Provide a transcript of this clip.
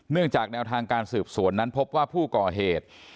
จากแนวทางการสืบสวนนั้นพบว่าผู้ก่อเหตุ